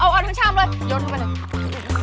เอาปั้งชามเลยหยดเข้าไป